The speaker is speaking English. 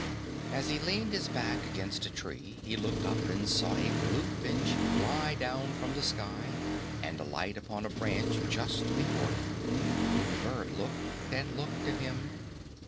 As he leaned his back against a tree, he looked up and saw a Bluefinch fly down from the sky and alight upon a branch just before him. The bird looked and looked at him.